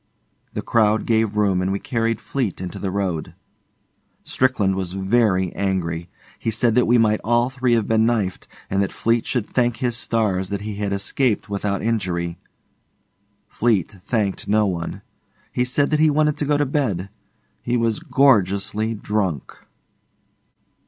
The crowd gave room and we carried Fleete into the road. Strickland was very angry. He said that we might all three have been knifed, and that Fleete should thank his stars that he had escaped without injury. Fleete thanked no one. He said that he wanted to go to bed. He was gorgeously drunk.